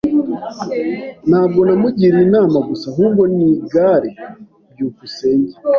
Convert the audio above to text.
Ntabwo namugiriye inama gusa, ahubwo nigare. byukusenge